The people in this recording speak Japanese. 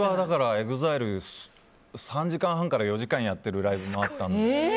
昔はＥＸＩＬＥ３時間半から４時間やってるライブもあったので。